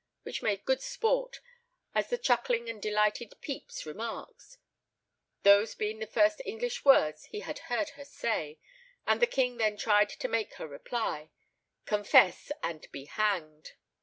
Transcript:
which made good sport, as the chuckling and delighted Pepys remarks, those being the first English words he had heard her say; and the king then tried to make her reply, "Confess and be hanged."